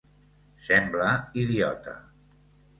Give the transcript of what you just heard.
Sembla idiota.